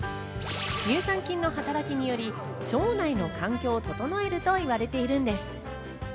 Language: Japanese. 乳酸菌の働きにより腸内の環境を整えると言われているんです。